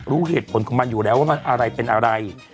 รู้เหตุผลของมันอยู่แล้วว่ามันอะไรเป็นอะไร